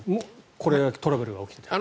これだけトラブルが起きていて。